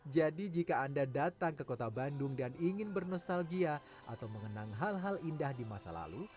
jadi jika anda datang ke kota bandung dan ingin bernostalgia atau mengenang hal hal indah di masa lalu